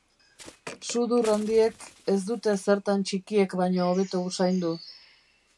Sudur handiek ez dute zertan txikiek baino hobeto usaindu.